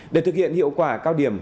để thực hiện hiệu quả cao điểm